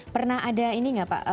pernah ada ini nggak pak